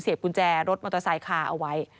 เสียบบุญแจรถมอเตอร์ไซคาร์เอาไว้